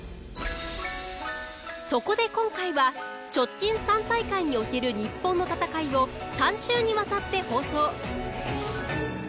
そこで今回は直近３大会における日本の戦いを３週にわたって放送。